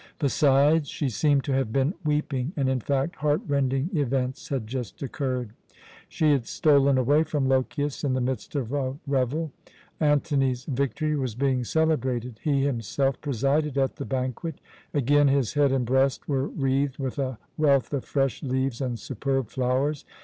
Besides, she seemed to have been weeping and, in fact, heart rending events had just occurred. She had stolen away from Lochias in the midst of a revel. Antony's victory was being celebrated. He himself presided at the banquet. Again his head and breast were wreathed with a wealth of fresh leaves and superb flowers.